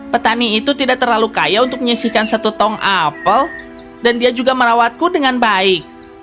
petani itu tidak terlalu kaya untuk menyisihkan satu tong apel dan dia juga merawatku dengan baik